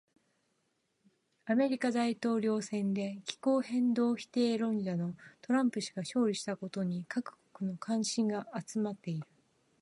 米大統領選で気候変動否定論者のトランプ氏が勝利したことに各国の関心が集まっている。